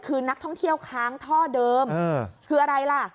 คือนักท่องเที่ยวค้างท่อเดิมคืออะไรล่ะ